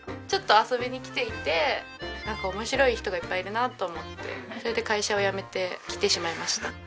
ちょっと遊びに来ていてなんか面白い人がいっぱいいるなと思ってそれで会社を辞めて来てしまいました。